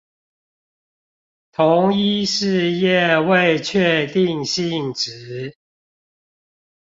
同一事業未確定性質